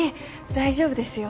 大丈夫ですか？